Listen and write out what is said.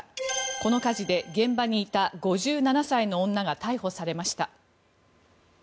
この火事で現場にいた５７歳の女が逮捕されました。